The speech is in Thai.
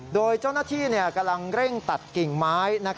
โดยเจ้าหน้าที่กำลังเร่งตัดกิ่งไม้